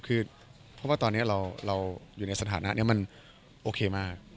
คือเพราะว่าตอนนี้เราอยู่ในสถานะนี้มันโอเคมาก